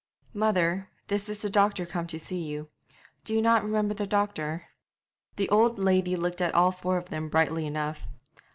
'Mother, this is the doctor come to see you. Do you not remember the doctor?' The old lady looked at all four of them brightly enough.